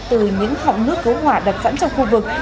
từ những hỏng nước cứu hỏa đặt sẵn trong khu vực